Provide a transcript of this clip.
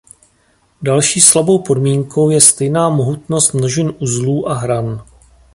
Další slabou podmínkou je stejná mohutnost množin uzlů a hran.